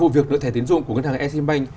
với vụ việc nợ thẻ tiến dụng của ngân hàng sm bank